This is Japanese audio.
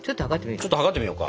ちょっと測ってみようか。